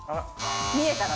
見えたら？